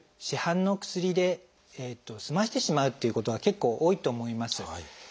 「市販の薬で済ませてしまう」っていうことが結構多いと思います。